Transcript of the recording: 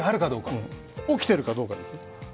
起きているかどうかです。